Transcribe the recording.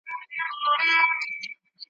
عمرونه کیږي بلبل دي غواړي ,